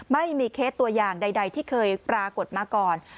เคสตัวอย่างใดที่เคยปรากฏมาก่อน